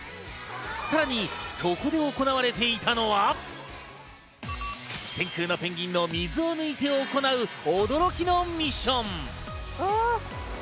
さらに、そこで行われていたのは天空のペンギンの水を抜いて行う、驚きのミッション。